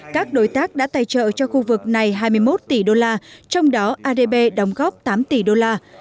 các đối tác đã tài trợ cho khu vực này hai mươi một tỷ đô la trong đó adb đóng góp tám tỷ đô la